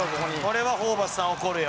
これはホーバスさん、怒るよ。